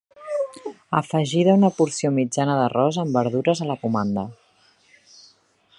Afegida una porció mitjana d'arròs amb verdures a la comanda.